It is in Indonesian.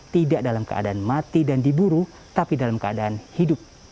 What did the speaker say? tidak dalam keadaan mati dan diburu tapi dalam keadaan hidup